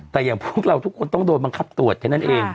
แต่อย่างพวกเราทุกคนต้องโดนบังคับตรวจแค่นั้นเอง